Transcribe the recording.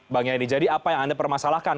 bang yani jadi apa yang anda permasalahkan